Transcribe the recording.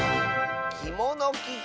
「きものきて」。